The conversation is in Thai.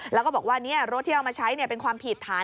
แล้วก็บอกว่ารถที่เอามาใช้เป็นความผิดฐาน